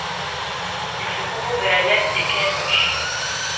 Il se compose de La Hyène et K-Push.